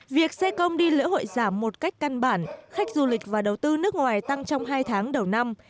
việc xe công đi lễ hội giảm một cách căn bản khách du lịch và đầu tư nước ngoài tăng trong hai tháng đầu năm